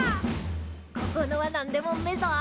ここのは何でもうめえぞ。